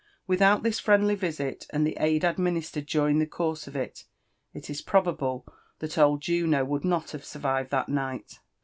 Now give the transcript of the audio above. Withi 6iut this friendly visit, and the aid adminislei^ed during the course of H, It is prohabte diat old Jmio would not have survived that night.